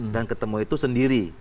dan ketemu itu sudah berarti